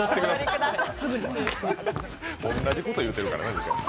同じこと言うてるからな。